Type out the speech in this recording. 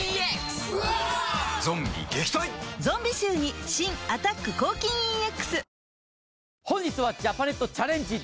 ゾンビ臭に新「アタック抗菌ＥＸ」